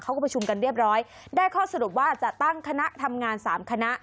ประชุมกันเรียบร้อยได้ข้อสรุปว่าจะตั้งคณะทำงานสามคณะ